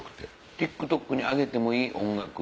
ＴｉｋＴｏｋに上げてもいい音楽。